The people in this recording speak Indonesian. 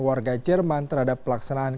warga jerman terhadap pelaksanaan